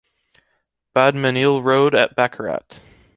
Badménil road at Baccarat.